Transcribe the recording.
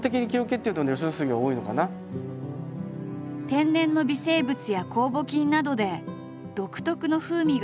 天然の微生物や酵母菌などで独特の風味が出る木桶。